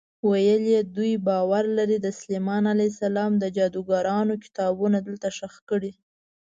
ویل یې دوی باور لري سلیمان علیه السلام د جادوګرانو کتابونه دلته ښخ کړي.